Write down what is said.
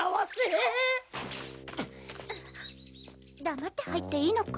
黙って入っていいのか？